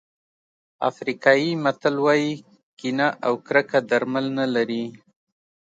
افریقایي متل وایي کینه او کرکه درمل نه لري.